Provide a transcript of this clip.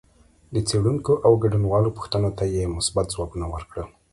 د څېړونکو او ګډونوالو پوښتنو ته یې مثبت ځوابونه ورکړل